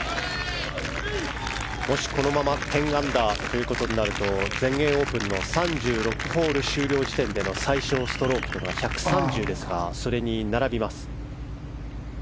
もしこのまま１０アンダーということになると全英オープンの３６ホール終了時点で最小ストロークが１３０ですがそれに並びます。